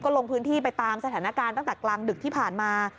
ลงพื้นที่ไปตามสถานการณ์ตั้งแต่กลางดึกที่ผ่านมา